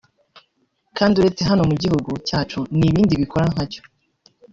Kandi uretse hano mu gihugu cyacu n’ibindi bikora nkacyo